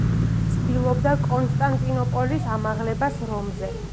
ცდილობდა კონსტანტინოპოლის ამაღლებას რომზე.